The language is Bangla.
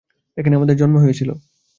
এখানে আমার জন্ম হয়েছিল।